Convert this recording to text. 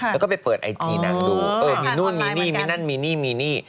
แล้วก็ไปเปิดไอจีนางดูเออมีนู่นมีนี่มีนั่นมีนี่มีนี่